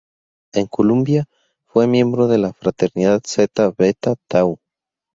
En Columbia fue miembro de la fraternidad Zeta Beta Tau.